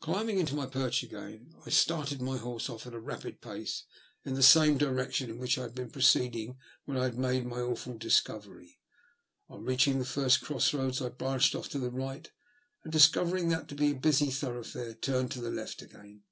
Climbing to my perch again I started my horse THE LUST OF HATE. 06 off at a rapid pace in the same direction in which I had been proceeding when I had made my awful dis covery. On reaching the first cross roads I branched off to the right, and, discovering that to be a busy thoroughfaroi turned to the left again.